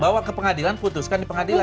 bawa ke pengadilan putuskan di pengadilan